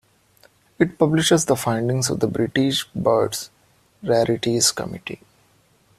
It publishes the findings of the British Birds Rarities Committee.